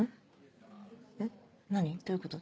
えっ何どういうこと？